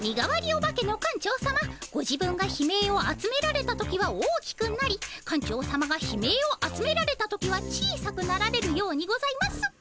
お化けの館長さまご自分が悲鳴を集められた時は大きくなり館長さまが悲鳴を集められた時は小さくなられるようにございます。